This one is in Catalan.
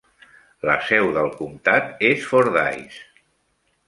La seu del comtat és Fordyce.